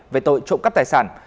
về tội trộm cắp tài sản